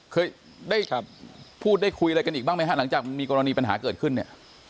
เคยได้พูดได้คุยอะไรกันอีกบ้างไหมฮะหลังจากมีกรณีปัญหาเกิดขึ้นเนี่ย